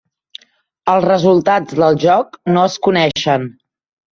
Els resultats del joc no es coneixen.